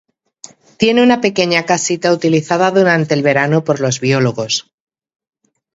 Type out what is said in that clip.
Tiene una pequeña casita utilizada durante el verano por los biólogos.